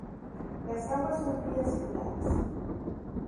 Las aguas son frías y claras.